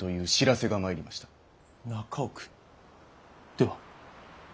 では！